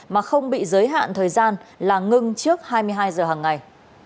mà không bị giới hạn thời gian là ngưng trước hai mươi hai giờ hàng ngày